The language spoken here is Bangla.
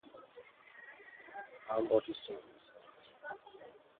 বর্তমানে স্টেশনটি খালি রয়েছে এবং উত্তরাঞ্চলীয় ট্রেনগুলি পরিচালিত হয়।